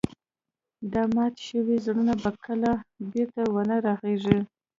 دا مات شوی زړه به کله هم بېرته ونه رغيږي.